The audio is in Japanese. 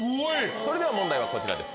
それでは問題はこちらです。